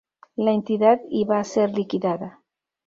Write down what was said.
La entidad iba a ser liquidada.